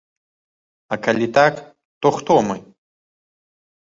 А калі так, то хто мы?